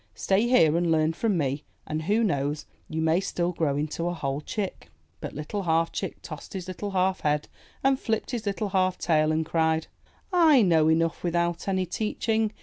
Stay here and learn from me, and, who knows, you may still grow to be a whole chick!" 305 MY BOOK HOUSE But Little Half Chick tossed his little half head and flipped his little half tail and cried: I know enough without any teaching!